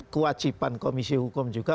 kewajiban komisi hukum juga